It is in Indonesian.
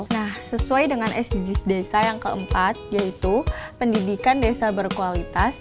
nah sesuai dengan sdgs desa yang keempat yaitu pendidikan desa berkualitas